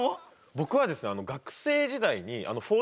僕はですね